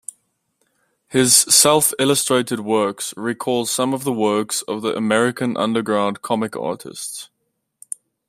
His self-illustrated works recall some of the works of the American underground comic artists.